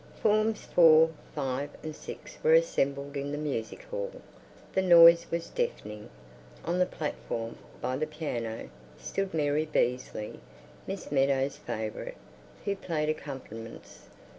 Forms Four, Five, and Six were assembled in the music hall. The noise was deafening. On the platform, by the piano, stood Mary Beazley, Miss Meadows' favourite, who played accompaniments.